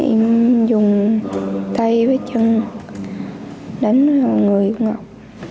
em dùng tay với chân đánh người ngọc